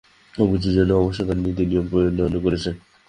সব কিছুর জন্যই অবশ্য তারা নীতি-নিয়ম প্রণয়ন করেছে।